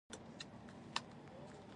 په یو زر او اتلس سوه درې شپېته کال کې.